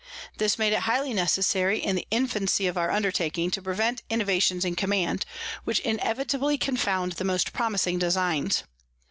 This made it highly necessary in the Infancy of our Undertaking to prevent Innovations in Command, which inevitably confound the most promising Designs.